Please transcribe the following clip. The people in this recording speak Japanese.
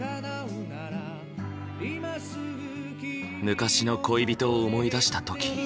昔の恋人を思い出した時。